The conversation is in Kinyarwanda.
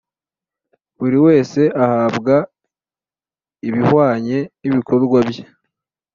buri wese ahabwe ibihwanye n’ibikorwa bye